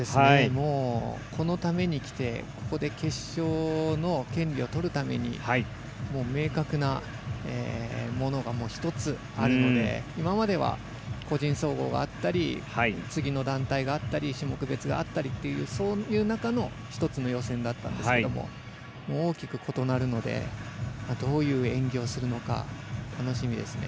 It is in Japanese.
このためにきてここで決勝の権利を取るために、明確なものが１つあるので今までは個人総合があったり次の団体があったり種目別があったりとそういう中の１つの予選だったんですが大きく異なるのでどういう演技をするのか楽しみですね。